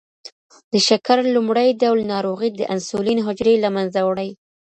د شکر لومړی ډول ناروغي د انسولین حجرې له منځه وړي.